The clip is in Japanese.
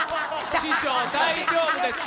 師匠、大丈夫ですか？